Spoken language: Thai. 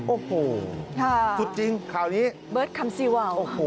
โอ้โหฮ่าจุดจริงข่าวนี้เบิ้ลคำเซวาโอ้โห